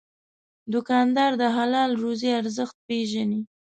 دوکاندار د حلال روزي ارزښت پېژني.